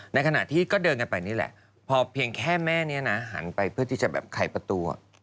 ในขณะที่ก็เดินกันไปนี่แหละพอเพียงแค่แม่นี้นะหันไปเพื่อที่จะแบบไขประตู